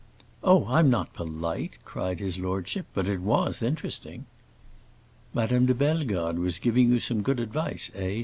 "Oh, I'm not polite!" cried his lordship. "But it was interesting." "Madame de Bellegarde was giving you some good advice, eh?"